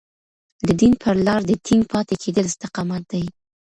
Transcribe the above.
د دين پر لار د ټينګ پاتې کېدل استقامت دی.